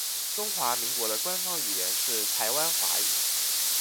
中华民国的官方语言是台湾华语。